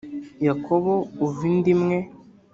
yakobo uva inda imwe